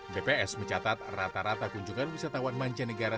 bps mencatat rata rata kunjungan wisatawan mancanegara